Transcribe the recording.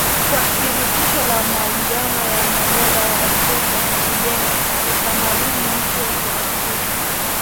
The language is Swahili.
kwa Shirikisho la Maungano ya Madola ya Afrika na kujenga utamaduni mpya kwa Afrika